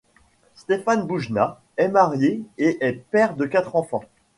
Stéphane Boujnah est marié et est père de quatre enfants.